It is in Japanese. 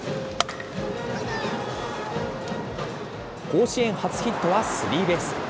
甲子園初ヒットはスリーベース。